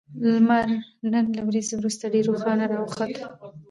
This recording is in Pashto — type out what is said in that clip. لمر نن له وريځو وروسته ډېر روښانه راوخوت